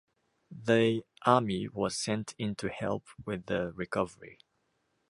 They army was sent in to help with the recovery.